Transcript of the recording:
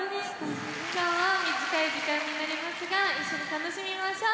今日は短い時間になりますが一緒に楽しみましょう。